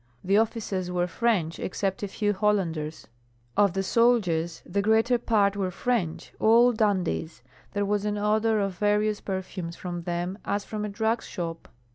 The officers were French, except a few Hollanders; of the soldiers the greater part were French, all dandies. There was an odor of various perfumes from them as from a drug shop.